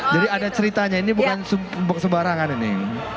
jadi ada ceritanya ini bukan sembarangan ini